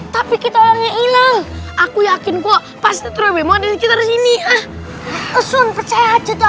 tapi kita hanya hilang aku yakin kok pasti terlalu banyak di sini ah peson percaya aja